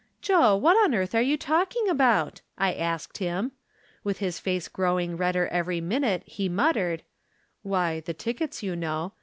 " Joe, what on earth are you talking about ?" I asked him. With his face growing redder every minxxte he muttered :" Why, the tickets, you know.